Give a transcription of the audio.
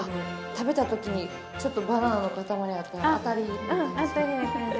食べた時にちょっとバナナの塊あったら当たりな感じ。